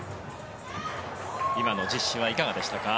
今の実施はいかがでしたか？